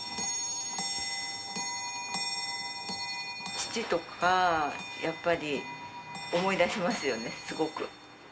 父とか、やっぱり、思い出しますよね、すごく。